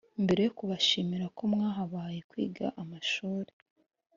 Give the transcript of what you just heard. mbere yo kubashimira ko mwabahaye kwiga amashuri